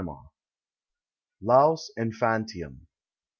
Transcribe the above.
7 LAUS INFANTIUM.